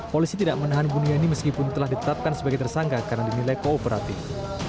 polisi tidak menahan buniani meskipun telah ditetapkan sebagai tersangka karena dinilai kooperatif